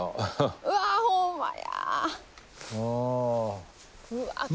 うわほんまや。